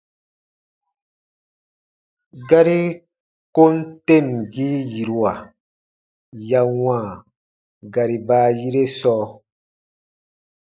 Gari kom temgii yiruwa ya wãa gari baayire sɔɔ.